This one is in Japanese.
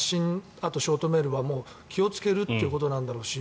あとショートメールは気をつけるってことだろうし